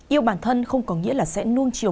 yêu bản thân không có nghĩa là sẽ nuông chiều